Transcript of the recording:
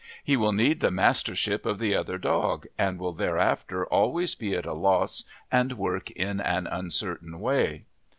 He will need the mastership of the other dog, and will thereafter always be at a loss and work in an uncertain way.